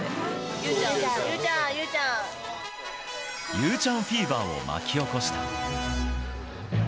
佑ちゃんフィーバーを巻き起こした。